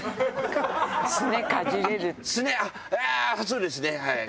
そうですねはい。